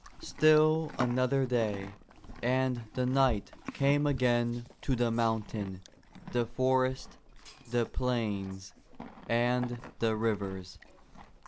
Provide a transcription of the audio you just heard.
Still another day, and the knight came again to the mountain, the forest, the plains and the rivers.